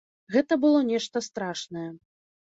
Гэта было нешта страшнае.